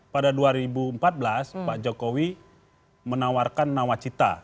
pada dua ribu empat belas pak jokowi menawarkan nawacita